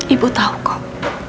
ibu tau kok